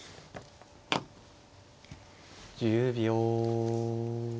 １０秒。